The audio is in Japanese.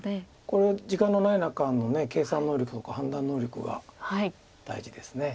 これ時間のない中計算能力とか判断能力が大事です。